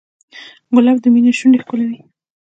ګلاب د مینې شونډې ښکلوي.